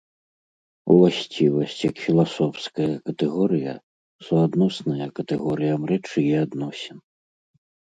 Уласцівасць як філасофская катэгорыя суадносная катэгорыям рэчы і адносін.